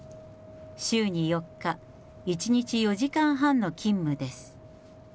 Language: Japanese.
週に４日、１日４時間半の勤務です。